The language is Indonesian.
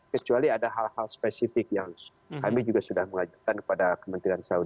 kecuali ada hal hal spesifik yang kami juga sudah mengajukan kepada kementerian selatan